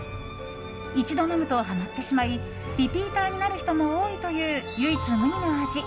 一度飲むとハマってしまいリピーターになる人も多いという唯一無二の味。